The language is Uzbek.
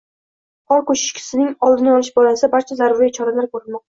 Qor ko‘chkisining oldini olish borasida barcha zarur choralar ko‘rilmoqda